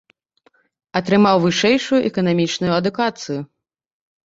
Атрымаў вышэйшую эканамічную адукацыю.